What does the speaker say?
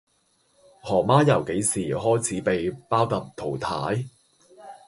何媽由幾時開始俾包揼淘汰?